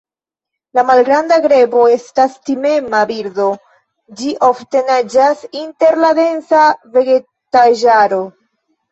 La Malgranda grebo estas timema birdo, ĝi ofte naĝas inter la densa vegetaĵaro.